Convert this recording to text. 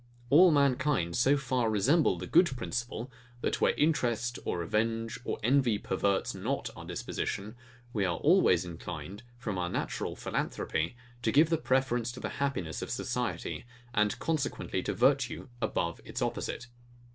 All mankind so far resemble the good principle, that, where interest or revenge or envy perverts not our disposition, we are always inclined, from our natural philanthropy, to give the preference to the happiness of society, and consequently to virtue above its opposite.